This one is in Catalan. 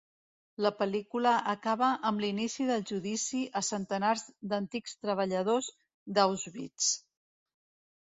La pel·lícula acaba amb l'inici del judici a centenars d'antics treballadors d'Auschwitz.